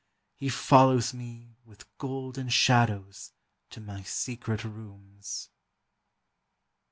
he follows me With golden shadows to my secret rooms."